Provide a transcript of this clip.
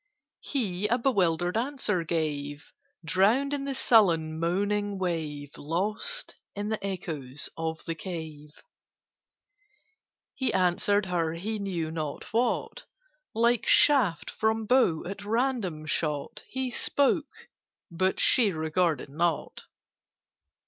He a bewildered answer gave, Drowned in the sullen moaning wave, Lost in the echoes of the cave. He answered her he knew not what: Like shaft from bow at random shot, He spoke, but she regarded not.